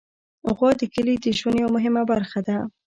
غوا د کلي د ژوند یوه مهمه برخه ده.